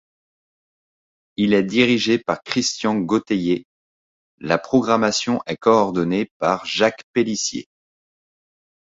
Il est dirigé par Christian Gautellier, la programmation est coordonnée par Jacques Pelissier.